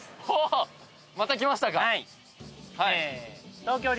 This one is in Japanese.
またきましたか。